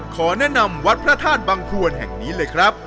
ขอแนะนำวัดพระธาตุบังควรแห่งนี้เลยครับ